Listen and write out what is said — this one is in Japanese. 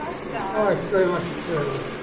あ聞こえます聞こえます。